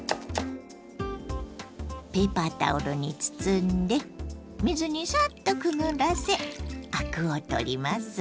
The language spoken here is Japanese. ペーパータオルに包んで水にサッとくぐらせアクを取ります。